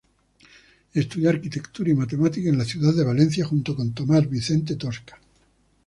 Estudió arquitectura y matemáticas en la ciudad de Valencia junto con Tomás Vicente Tosca.